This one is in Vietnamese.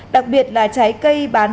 đặc biệt là trái cây bán